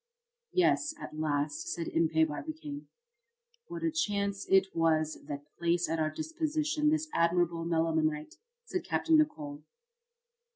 "Yes, at last," said Impey Barbicane. "What a chance it was that placed at our disposition this admirable melimelonite!" said Capt. Nicholl.